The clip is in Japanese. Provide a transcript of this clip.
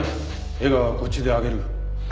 江川はこっちで挙げる。